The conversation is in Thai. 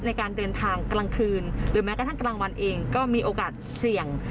ในการเดินทางกลางคืนหรือแม้กระทั่งกลางวันเองก็มีโอกาสเสี่ยง